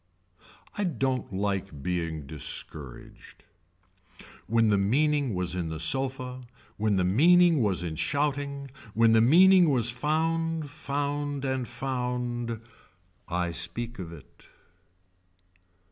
I don't like being discouraged. When the meaning was in the sofa when the meaning was in shouting when the meaning was found found and found. I speak of it.